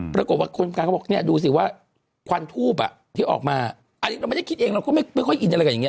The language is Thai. ปรากฏว่าคนกลางเขาบอกเนี่ยดูสิว่าควันทูบอ่ะที่ออกมาอันนี้เราไม่ได้คิดเองเราก็ไม่ค่อยอินอะไรกันอย่างนี้